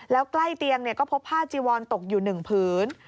แล้วใกล้เตียงก็พบผ้าจีวอนตกอยู่๑ผืน